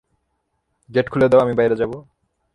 Gate খুলে দাও, আমি বাইরে যাব!